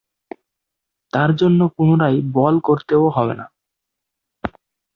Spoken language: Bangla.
তার জন্য পুনরায় বল করতেও হবে না।